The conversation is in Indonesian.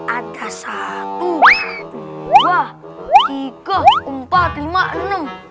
ada satu dua ikut empat lima enam